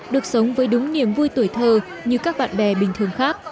được sống với đúng niềm vui tuổi thơ như các bạn bè bình thường khác